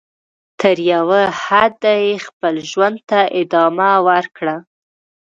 تر یوه حده یې خپل ژوند ته ادامه ورکړه.